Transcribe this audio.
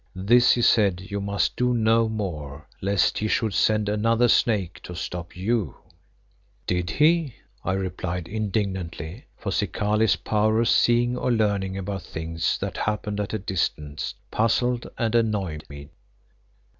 This, he said, you must do no more, lest he should send another snake to stop you." "Did he?" I replied indignantly, for Zikali's power of seeing or learning about things that happened at a distance puzzled and annoyed me.